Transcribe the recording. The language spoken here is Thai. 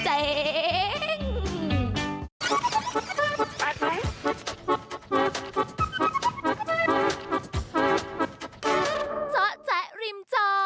อืม